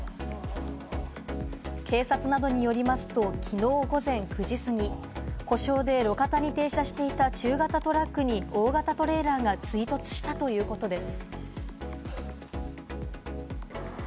警察などによりますと、きのう午前９時過ぎ、故障で路肩に停車していた中型トラックに大型トレーラーが追突したということです。